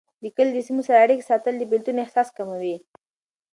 د کلي د سیمو سره اړيکې ساتل، د بیلتون احساس کموي.